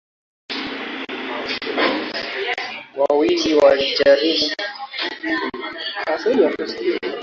Wawili walijaribu kuingia pamoja na wanamgambo wenye silaha kutoka Msumbiji lakini walishindwa.